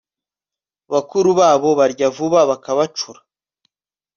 bakuru babo barya vuba bakabacura